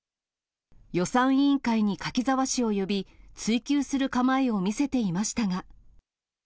予算委員会に柿沢氏を呼び、追及する構えを見せていましたが。